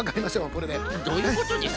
これで。